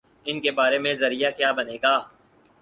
ان کے بارے میں ذریعہ کیا بنے گا؟